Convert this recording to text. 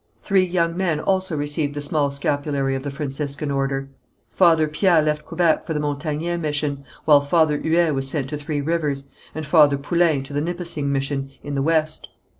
Three young men also received the small scapulary of the Franciscan order. Father Piat left Quebec for the Montagnais mission, while Father Huet was sent to Three Rivers, and Father Poullain to the Nipissing mission in the west.